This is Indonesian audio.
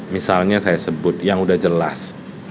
misalnya saya sebut yang sudah jelas